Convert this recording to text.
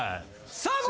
さあ！